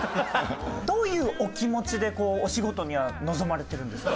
どういうお気持ちでこうお仕事には臨まれてるんですか？